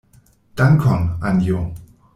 Dankon, Anjo.